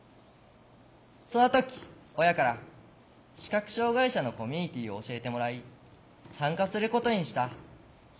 その時親から視覚障害者のコミュニティーを教えてもらい参加することにした。